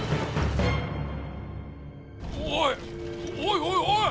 おいおいおいおい！